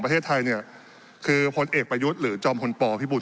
ประเทศไทยเนี่ยคือพลเอกประยุทธ์หรือจอมพลปพิบุญ